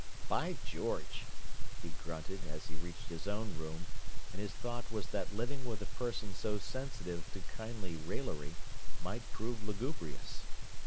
"By George!" he grunted, as he reached his own room; and his thought was that living with a person so sensitive to kindly raillery might prove lugubrious.